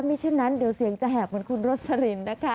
ฉะนั้นเดี๋ยวเสียงจะแหบเหมือนคุณโรสลินนะคะ